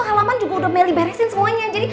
halaman juga udah meli beresin semuanya